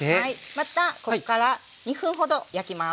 またこっから２分ほど焼きます。